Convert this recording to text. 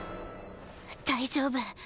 大丈夫。